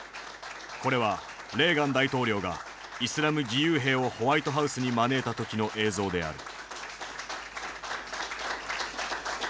これはレーガン大統領がイスラム義勇兵をホワイトハウスに招いた時の映像である。